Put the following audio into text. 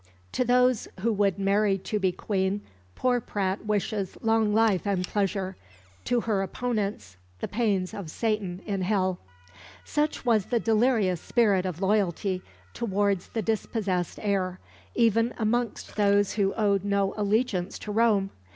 To those who would Mary to be Queen poor Pratte wishes long life and pleasure; to her opponents, the pains of Satan in hell. Such was the delirious spirit of loyalty towards the dispossessed heir, even amongst those who owed no allegiance to Rome.